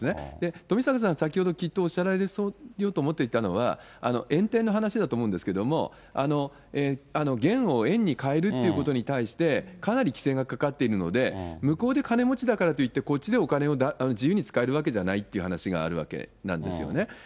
富坂さん、先ほどきっとおっしゃられようとしていたのは、円転の話だと思うんですけれども、元を円に換えるということに対して、かなり規制がかかっているので、向こうで金持ちだからといってこっちでお金を自由に使えるわけじゃないっていう話があるわけなんですよね。